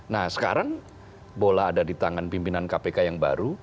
nah sekarang bola ada di tangan pimpinan kpk yang baru